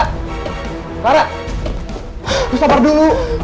clara gua sabar dulu